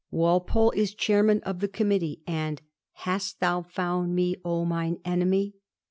Walpole is chairman of the committee, and ' Hast thou found me, oh, mine enemy?'